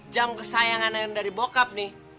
jam kesayangan dari bokap nih